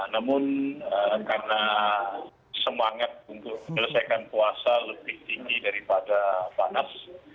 namun karena semangat untuk menyelesaikan puasa lebih tinggi daripada panas